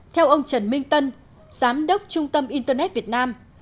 theo ông trần minh tân giám đốc trung tâm internet việt nam